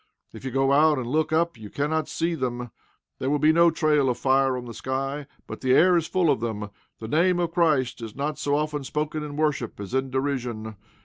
If you go out and look up you cannot see them. There will be no trail of fire on the sky. But the air is full of them. The name of Christ is not so often spoken in worship as in derision.